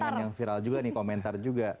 jangan yang viral juga nih komentar juga